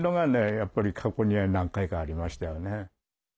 やっぱり過去には何回かありましたよね。